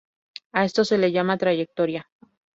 A esto se le llama trayectoria.